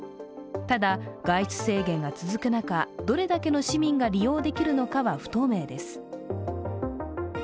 ただ、外出制限が続く中どれだけの市民が利用できるのかは不透明です。